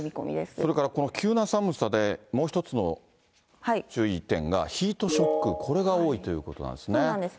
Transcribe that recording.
それからこの急な寒さでもう一つの注意点がヒートショック、これが多いということなんですね。